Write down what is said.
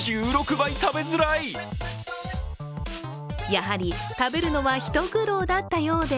やはり食べるのは一苦労だったようで